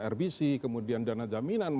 rbc kemudian dana jaminan